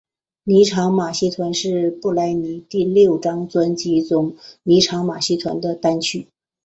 妮裳马戏团是布兰妮第六张专辑中妮裳马戏团的单曲。